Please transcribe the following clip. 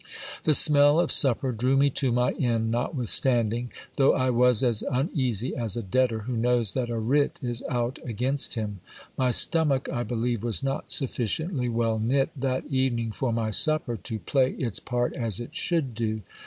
The smell of supper drew me to my inn notwithstanding; though I was as uneasy as a debtor who knows that a writ is out against him. My stomach, I believe, was not sufficiently well knit that evening for my supper to play its part as it should do.